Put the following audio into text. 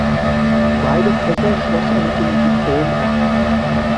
Beide Fächer schloss er mit dem Diplom ab.